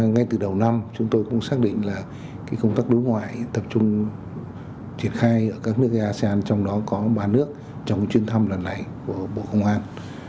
ngay từ đầu năm chúng tôi cũng xác định là công tác đối ngoại tập trung triển khai ở các nước asean trong đó có ba nước trong chuyến thăm lần này của bộ công an